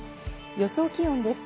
予想気温です。